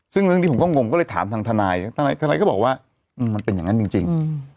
ซึ่งเรื่องนี้ผมก็งงก็เลยถามทางทนายทนายก็บอกว่ามันเป็นอย่างนั้นจริง